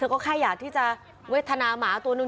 ก็แค่อยากที่จะเวทนาหมาตัวนึง